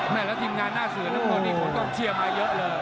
แน่จะไปอ้อนแนทไม่ได้ถ้าลบวันนี้สองเครื่องติดเลยเนี่ย